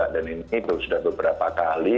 dan ini sudah beberapa kali